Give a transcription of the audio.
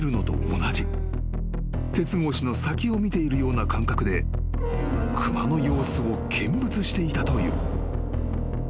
［鉄格子の先を見ているような感覚で熊の様子を見物していたという］